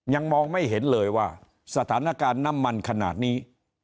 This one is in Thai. ยังมองไม่เห็นเลยว่าสถานการณ์น้ำมันขนาดนี้